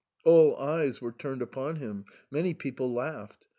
" All eyes were turned upon him ; many people laughed.